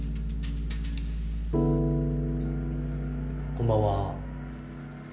こんばんは。